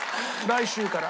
来週から。